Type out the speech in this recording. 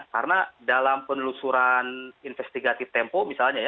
karena dalam penelusuran investigatif tempo misalnya